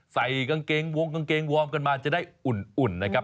ใส่กางเกงวงกางเกงวอร์มกันมาจะได้อุ่นนะครับ